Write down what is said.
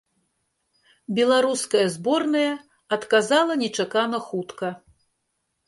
Беларуская зборная адказала нечакана хутка.